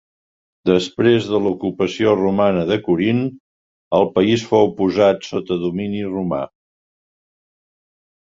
Després de l'ocupació romana de Corint, el país fou posat sota domini romà.